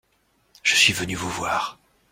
Je suis venu vous voir.